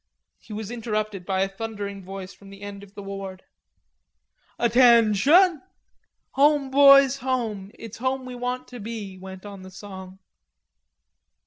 He was interrupted by a thundering voice from the end of the ward. "Attention!" "Home, boys, home; it's home we want to be." went on the song.